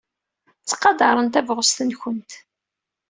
Ttqadaren tabɣest-nwent.